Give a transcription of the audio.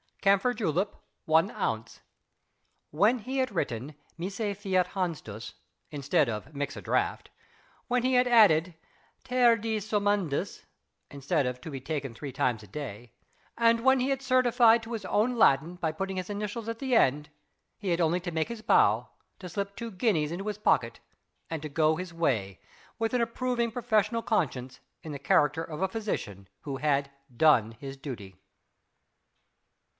Camphor Julep 1 ounce. When he had written, Misce fiat Hanstus (instead of Mix a Draught) when he had added, Ter die Sumendus (instead of To be taken Three times a day) and when he had certified to his own Latin, by putting his initials at the end, he had only to make his bow; to slip two guineas into his pocket; and to go his way, with an approving professional conscience, in the character of a physician who had done his duty.